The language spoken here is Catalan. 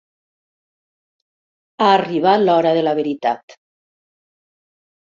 Ha arribat l'hora de la veritat.